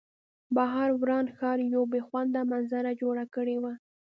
بهر وران ښار یوه بې خونده منظره جوړه کړې وه